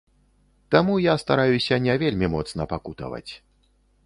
Таму я стараюся не вельмі моцна пакутаваць.